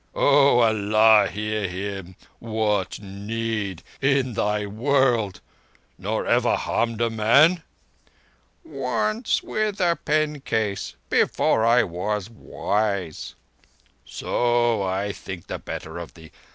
"O Allah, hear him! 'What need' in this Thy world! Nor ever harmed a man?" "Once—with a pencase—before I was wise." "So? I think the better of thee.